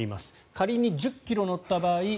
仮に１０ｋｍ乗った場合